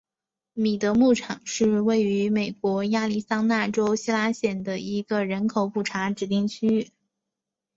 米德牧场是位于美国亚利桑那州希拉县的一个人口普查指定地区。